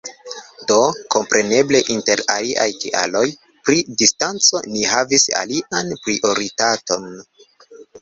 Do, kompreneble inter aliaj kialoj, pri distanco ni havis alian prioritaton.